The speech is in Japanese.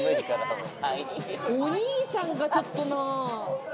お兄さんが、ちょっとな。